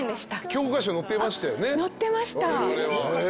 教科書に載ってました。